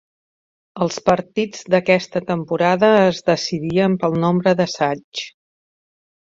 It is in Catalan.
Els partits d'aquesta temporada es decidien pel nombre d'assaigs.